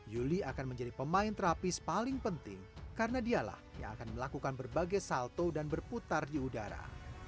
yuli akan menjadi pemain terapis paling penting karena dialah yang akan melakukan berbagai salto dan berputar di udara